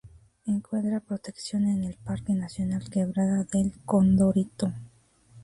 Encuentra protección en el parque nacional Quebrada del Condorito.